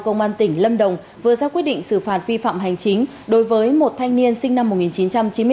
công an tỉnh lâm đồng vừa ra quyết định xử phạt vi phạm hành chính đối với một thanh niên sinh năm một nghìn chín trăm chín mươi bốn